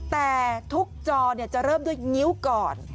แต่ทุกจอจะเริ่มด้วยงิ้วก่อน